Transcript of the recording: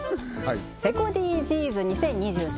セコＤＧｓ２０２３